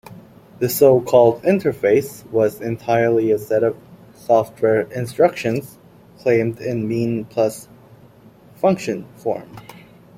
The so-called interface was entirely a set of software instructions, claimed in means-plus-function form.